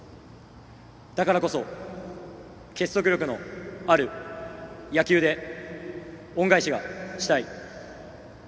だからこそ、結束力のある野球で恩返しがしたい。